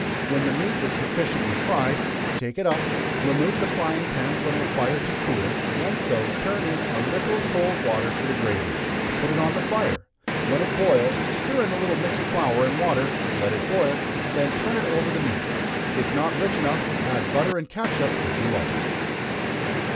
When the meat is sufficiently fried, take it up, remove the frying pan from the fire to cool; when so, turn in a little cold water for the gravy, put it on the fire when it boils, stir in a little mixed flour and water, let it boil, then turn it over the meat. If not rich enough, add butter and catsup if you like.